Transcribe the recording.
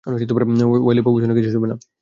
Oily, বাবুসোনা, কিছু ছুবে না।